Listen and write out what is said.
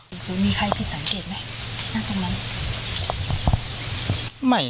คือมีใครสังเกตไหม